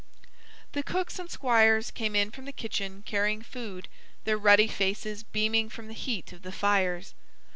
The cooks and squires came in from the kitchen carrying food, their ruddy faces beaming from the heat of the fires.